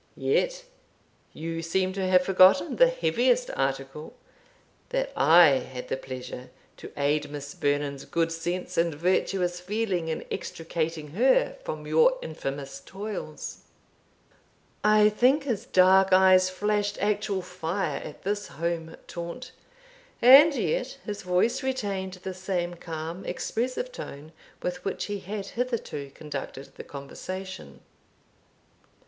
Yet you seem to have forgotten the heaviest article that I had the pleasure to aid Miss Vernon's good sense and virtuous feeling in extricating her from your infamous toils." I think his dark eyes flashed actual fire at this home taunt, and yet his voice retained the same calm expressive tone with which he had hitherto conducted the conversation.